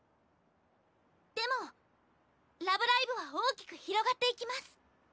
でもラブライブは大きく広がっていきます。